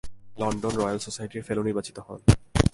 তিনি লন্ডনে রয়্যাল সোসাইটির ফেলো নির্বাচিত হন।